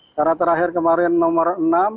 karena terakhir kemarin nomor enam